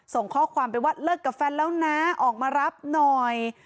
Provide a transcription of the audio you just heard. ส่งข้อความไปว่าเลิกกับแฟนแล้วนะออกมารับหน่อย